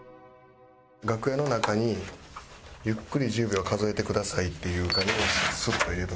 楽屋の中に「ゆっくり１０秒数えてください」っていう画用紙をスッと入れとく。